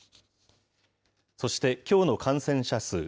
そしてきょうの感染者数。